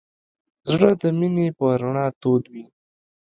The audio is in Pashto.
زړه د مینې په رڼا تود وي.